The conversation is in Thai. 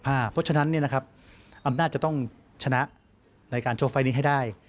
เพราะฉะนั้นอำนาจจะต้องชนะในการโชว์ไฟล์นี้ให้ได้